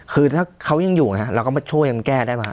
คือถ้าเขายังอยู่ช่วยกันแก้ได้